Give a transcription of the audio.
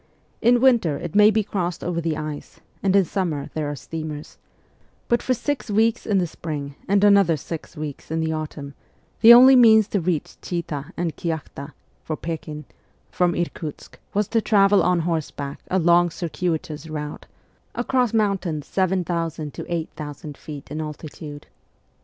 In winter it may be crossed over the ice and in summer there are steamers, but for six weeks in the spring and another six weeks in the autumn the only means to reach Chita and Kyakhta (for Pekin) from Irkutsk was to travel on 254 MEMOIRS OF A REVOLUTIONIST horseback a long circuitous route, across mountains 7,000 to 8,000 feet in altitude.